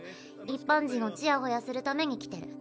一般人をちやほやするために来てる。